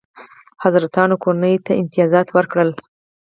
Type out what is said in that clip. حضرتانو کورنۍ ته امتیازات ورکړل.